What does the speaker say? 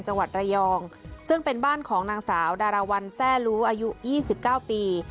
จังหวัดระยองซึ่งเป็นบ้านของนางสาวดาราวัลแซ่รู้อายุ๒๙ปี